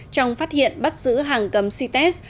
trong phát hiện bắt giữ hàng cầm c test